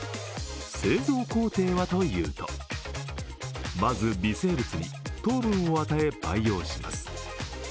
製造工程はというとまず微生物に糖分を与え培養します。